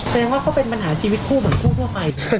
แสดงว่าเขาเป็นปัญหาชีวิตคู่เหมือนคู่ทั่วไป